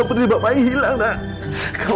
terus tarik nafas dalam dalam